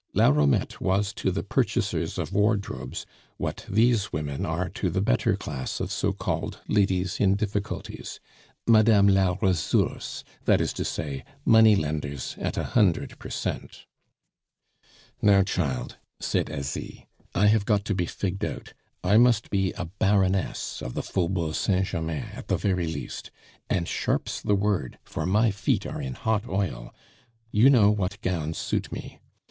La Romette was to the "purchasers of wardrobes" what these women are to the better class of so called ladies in difficulties Madame la Ressource, that is to say, money lenders at a hundred per cent. "Now, child," said Asie, "I have got to be figged out. I must be a Baroness of the Faubourg Saint Germain at the very least. And sharp's the word, for my feet are in hot oil. You know what gowns suit me.